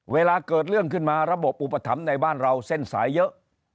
เวลาเกิดเรื่องขึ้นมาระบบอุปถัมภ์ในบ้านเราเส้นสายเยอะ